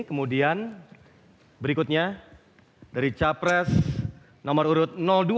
kemudian berikutnya dari capres nomor urut dua